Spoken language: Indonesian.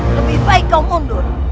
lebih baik kau mundur